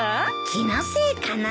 気のせいかな？